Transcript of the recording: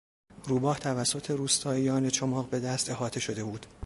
روباه توسط روستاییان چماق به دست احاطه شده بود.